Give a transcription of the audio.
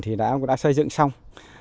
thì đã xây dựng xong